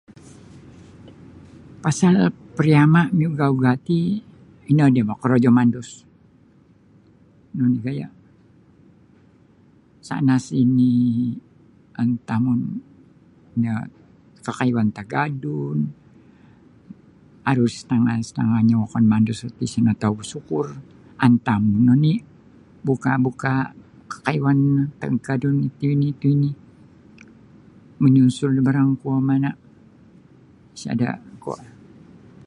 Pasal pariama' miugah-ugah ti ino nio boh korojo mandus nunu gaya' sana-sini' antamun nio kakayuan tagadun aru satangah-satangahnyo wokon mandus isa' nio tau basukur antamun oni buka'-bukaa' kakayuan no tagadun itu ini itu ini manyunsul da barang kuo mana' sada' kuo